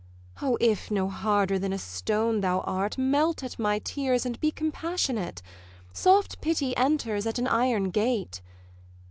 O, if no harder than a stone thou art, Melt at my tears, and be compassionate! Soft pity enters at an iron gate.